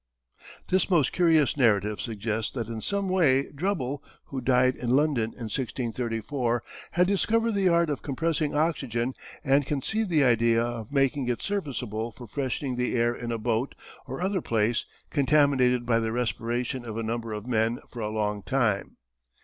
This most curious narrative suggests that in some way Drebel, who died in London in 1634, had discovered the art of compressing oxygen and conceived the idea of making it serviceable for freshening the air in a boat, or other place, contaminated by the respiration of a number of men for a long time.